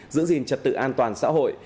giữ gìn trật tự an toàn xã hội